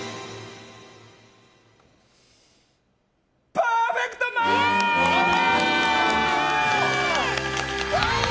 パーフェクトマッチ！